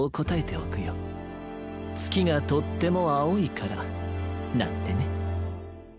「つきがとってもあおいから」。なんてね。